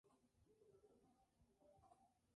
¿ellos no partan?